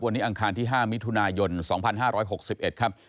วันนี้อังคารที่๕มิถุนายน๒๕๖๑ครับ